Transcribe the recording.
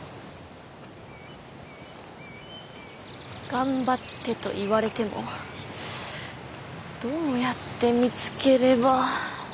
「頑張って」と言われてもどうやって見つければ。